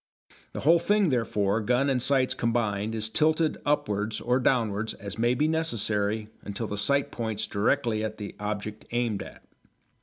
The whole thing, therefore, gun and sights combined, is tilted upwards or downwards as may be necessary until the sights point directly at the object aimed at.